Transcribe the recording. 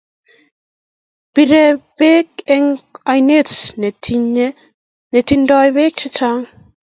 Pirey pek eng' ainet ne tindoi peek chechang' .